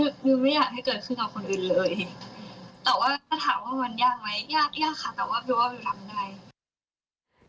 แต่ว่าถ้าถามว่ามันยากไหมยากค่ะแต่ว่าวิวก็อยู่ลำใน